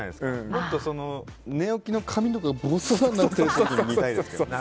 もっと寝起きの髪の毛がぼさぼさになってるのも見たいですけどね。